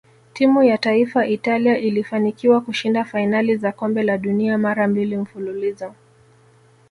Timu ya taifa Italia ilifanikiwa kushinda fainali za kombe la dunia mara mbili mfululizo